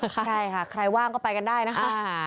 ใช่ค่ะใครว่างก็ไปกันได้นะคะ